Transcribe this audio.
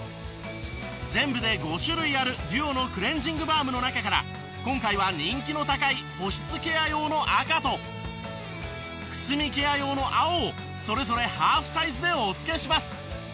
全部で５種類あるＤＵＯのクレンジングバームの中から今回は人気の高い保湿ケア用の赤とくすみケア用の青をそれぞれハーフサイズでお付けします。